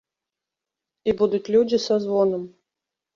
І будуць людзі са звонам.